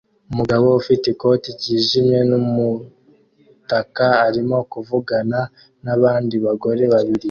Umugore ufite ikote ryijimye n'umutaka arimo kuvugana nabandi bagore babiri